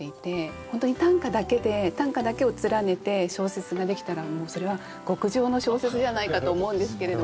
本当に短歌だけで短歌だけを連ねて小説ができたらもうそれは極上の小説じゃないかと思うんですけれども。